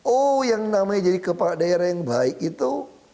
oh yang namanya jadi kepala daerah yang baik itu